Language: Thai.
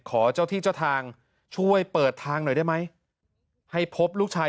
ขอเจ้าที่เจ้าทางช่วยเปิดทางหน่อยได้ไหมให้พบลูกชาย